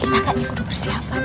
kita kayak ikut bersiapan